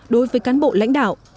đối với cán bộ lãnh đạo